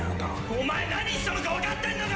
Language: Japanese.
お前何したのか分かってんのか！